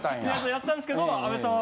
やったんですけど阿部さんは。